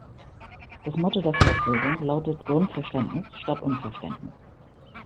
Das Motto der Fortbildung lautet Grundverständnis statt Unverständnis.